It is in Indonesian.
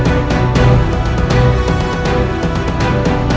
kau mengaku kami anak muda